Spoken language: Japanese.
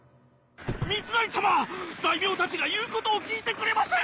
三成様大名たちが言うことを聞いてくれません！